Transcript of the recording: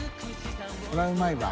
これはうまいわ。